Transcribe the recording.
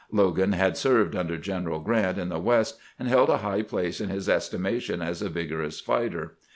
Logan had served under General G rant in the West, and held a high place in his estimation as a vig orous fighter.